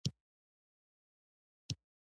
قاضي صاحب یعقوب د حقوقو پوهنځي فارغ و.